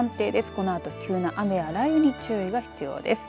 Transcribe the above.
このあと急な雨や雷雨に注意が必要です。